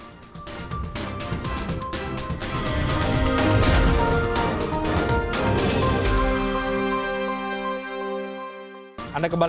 kita bahas usaha jadinya kami akan segera kembali